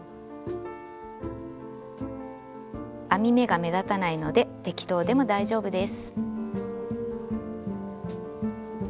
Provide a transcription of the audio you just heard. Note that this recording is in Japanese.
編み目が目立たないので適当でも大丈夫です。